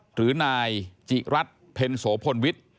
หรือนายจิรัตน์เพ็ญโสพลวิทย์